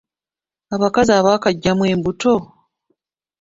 Abakazi abaakaggyamu embuto!